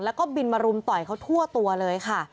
แล้วก็บินมารุมต่อยเขาทั่วตัวเลยค่ะ